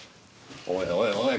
おいおいおい